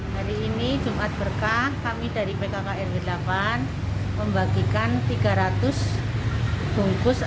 hari ini jumat berkah kami dari pkk rw delapan membagikan tiga ratus bungkus